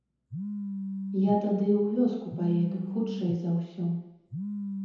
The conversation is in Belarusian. Я тады ў вёску паеду, хутчэй за ўсё.